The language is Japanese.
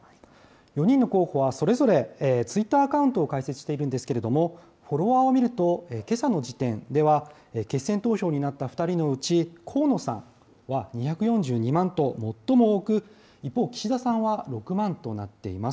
４人の候補はそれぞれツイッターアカウントを開設しているんですけれども、フォロワーを見ると、けさの時点では、決選投票になった２人のうち、河野さんは２４２万と、最も多く、一方、岸田さんは６万となっています。